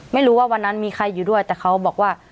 ไม่รู้ว่าวันนั้นมีใครอยู่ด้วยแต่เขาบอกว่า